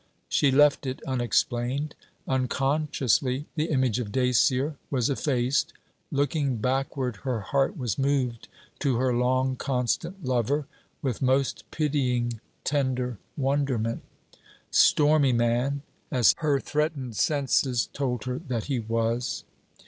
She left it unexplained. Unconsciously the image of Dacier was effaced. Looking backward, her heart was moved to her long constant lover with most pitying tender wonderment stormy man, as her threatened senses told her that he was.